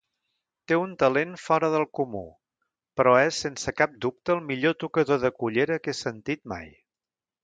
Té un talent fora del comú, però és sense cap dubte el millor tocador de cullera que he sentit mai.